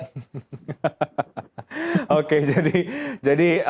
jadi ada inkonsistensi ya soal karantina